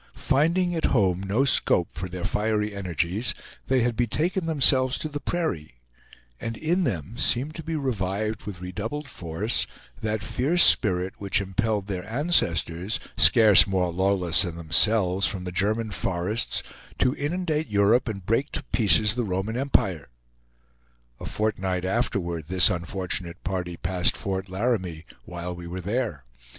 Finding at home no scope for their fiery energies, they had betaken themselves to the prairie; and in them seemed to be revived, with redoubled force, that fierce spirit which impelled their ancestors, scarce more lawless than themselves, from the German forests, to inundate Europe and break to pieces the Roman empire. A fortnight afterward this unfortunate party passed Fort Laramie, while we were there.